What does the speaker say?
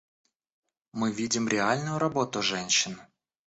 Мы видим реальную работу женщин.